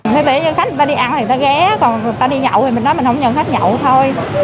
thế để cho khách đi ăn thì người ta ghé còn người ta đi nhậu thì mình nói mình không nhận khách nhậu thôi